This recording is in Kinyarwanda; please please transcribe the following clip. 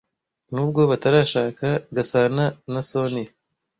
Nubwo batarashaka, Gasana na Soniya